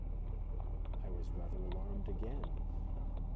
I was rather alarmed again.